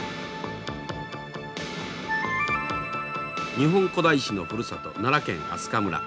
日本古代史のふるさと奈良県明日香村。